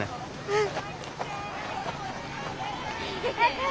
うん。